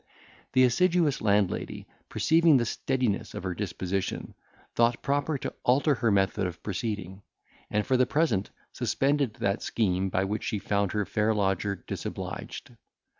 The assiduous landlady, perceiving the steadiness of her disposition, thought proper to alter her method of proceeding, and, for the present, suspended that theme by which she found her fair lodger disobliged.